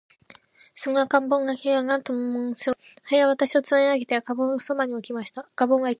その赤ん坊の泣声は、なんとももの凄い声でした。母親は私をつまみ上げて、赤ん坊の傍に置きました。赤ん坊は、いきなり、